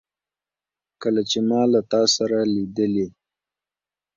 کله چي ما له تا سره لیدلې